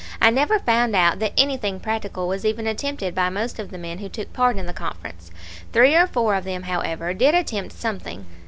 I never found out that anything practical was even attempted by most of the men who took part in the conference. Three or four of them, however, did attempt something.